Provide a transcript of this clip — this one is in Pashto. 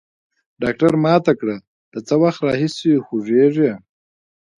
ډاکتر ما ته کړه له څه وخت راهيسي خوږېږي.